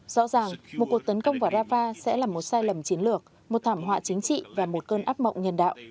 rõ ràng một cuộc tấn công vào rafah sẽ là một sai lầm chiến lược một thảm họa chính trị và một cơn áp mộng nhân đạo